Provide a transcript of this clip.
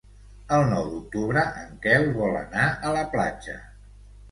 El nou d'octubre en Quel vol anar a la platja.